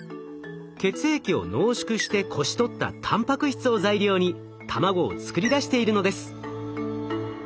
血液を濃縮してこし取ったたんぱく質を材料に卵を作り出しているのです。